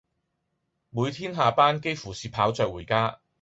每天下班幾乎是跑著回家